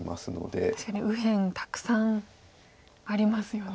確かに右辺たくさんありますよね。